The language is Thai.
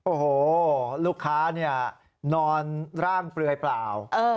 โอ้โหลูกค้าเนี่ยนอนร่างเปลือยเปล่า